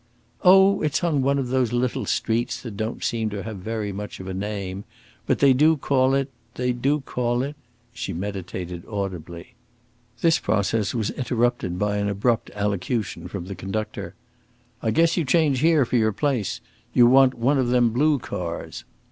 "Oh, it's on one of those little streets that don't seem to have very much of a name. But they do call it they do call it " she meditated audibly. This process was interrupted by an abrupt allocution from the conductor. "I guess you change here for your place. You want one of them blue cars."